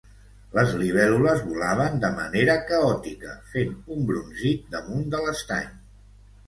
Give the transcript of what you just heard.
Les libèl·lules volaven de manera caòtica fent un brunzit damunt de l'estany.